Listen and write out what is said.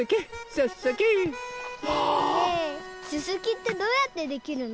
ねえねえすすきってどうやってできるの？